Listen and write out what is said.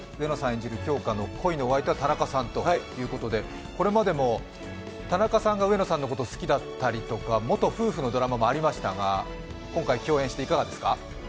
演じる杏花の恋のお相手は田中さんということで、これまでも田中さんが上野さんのことを好きだったりとか、元夫婦のドラマもありましたが、今回共演していかがですか。